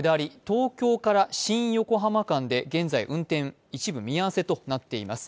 東京から新横浜間で現在運転、一部見合わせとなっています。